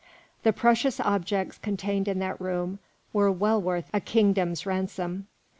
The precious objects contained in that room were well worth a kingdom's ransom.